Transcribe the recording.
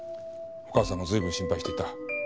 お母さんが随分心配していた。